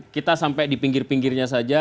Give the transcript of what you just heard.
kita sampai di pinggirnya